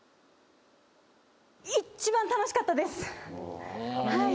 一番楽しかったです！